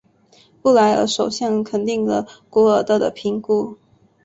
布莱尔首相肯定了古尔德的评估。